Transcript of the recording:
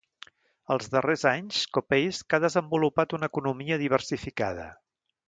Els darrers anys, Kopeisk ha desenvolupat una economia diversificada.